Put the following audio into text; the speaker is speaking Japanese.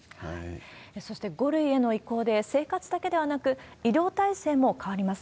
そして、５類への移行で生活だけではなく、医療体制も変わります。